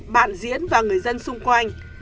bạn diễn và người dân xung quanh